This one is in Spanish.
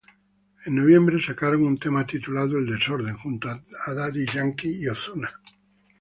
En noviembre sacaron un tema titulado "El desorden" junto a Daddy Yankee y Ozuna.